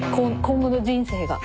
今後の人生が。